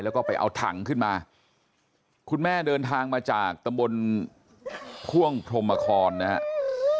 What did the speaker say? แล้วก็ไปเอาถังขึ้นมาคุณแม่เดินทางมาจากตำบลพ่วงพรมคอนนะครับ